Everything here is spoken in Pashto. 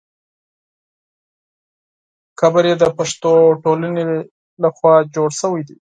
قبر یې د پښتو ټولنې له خوا جوړ شوی دی.